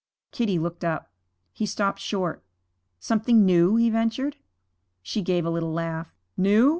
Kitty looked up. He stopped short. 'Something new?' he ventured. She gave a little laugh. 'New?